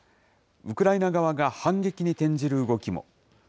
ウクライナ側が反撃に転じる動きも。